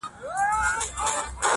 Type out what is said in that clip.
نو طنزآ مې په دې مهمل